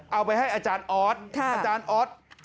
เอาไปให้อาจารย์ออสอาจารย์ออส